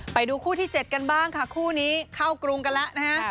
ไปดูคู่ที่๗กันบ้างค่ะคู่นี้เข้ากรุงกันแล้วนะฮะ